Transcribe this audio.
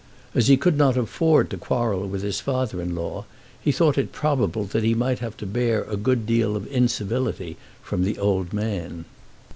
As he could not afford to quarrel with his father in law, he thought it probable that he might have to bear a good deal of incivility from the old man.